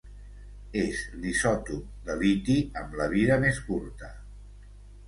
És l'isòtop de liti amb la vida més curta.